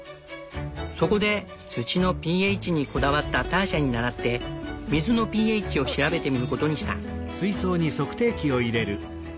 そこで土のｐＨにこだわったターシャに倣って水のｐＨを調べてみることにした。